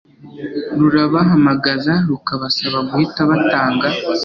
rurabahamagaza rukabasaba guhita batanga